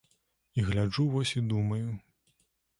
І гляджу вось і думаю.